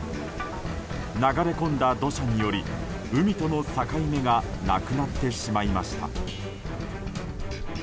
流れ込んだ土砂により海との境目がなくなってしまいました。